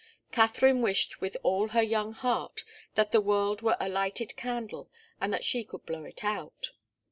Katharine wished with all her young heart that the world were a lighted candle and that she could blow it out.